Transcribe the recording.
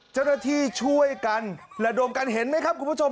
เจ้าหน้าที่ช่วยกันระดมกันเห็นไหมครับคุณผู้ชม